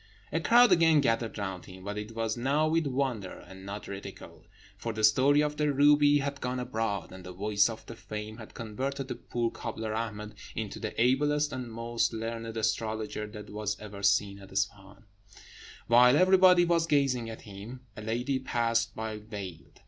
A crowd again gathered round him, but it was now with wonder, and not ridicule; for the story of the ruby had gone abroad, and the voice of fame had converted the poor cobbler Ahmed into the ablest and most learned astrologer that was ever seen at Isfahan. While everybody was gazing at him, a lady passed by veiled.